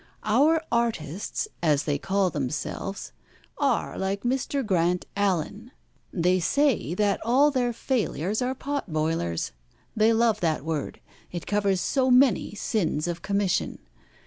Our artists, as they call themselves, are like Mr. Grant Allen: they say that all their failures are 'pot boilers.' They love that word. It covers so many sins of commission.